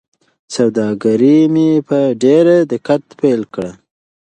سوداګري مې په ډېر دقت پیل کړه.